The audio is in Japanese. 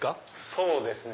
そうですね。